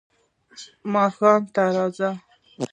ماښام ته راځم .